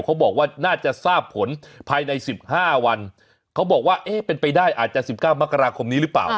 เขาบอกว่าน่าจะทราบผลภายใน๑๕วันเขาบอกว่าเอ๊ะเป็นไปได้อาจจะ๑๙มกราคมนี้หรือเปล่า